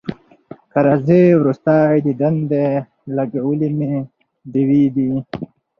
که راځې وروستی دیدن دی لګولي مي ډېوې دي